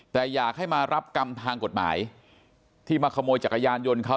แต่อยากให้มารับกรรมทางกฎหมายที่มาขโมยจักรยานยนต์เขา